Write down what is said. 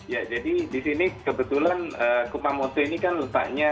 ya jadi di sini kebetulan kupamoto ini kan letaknya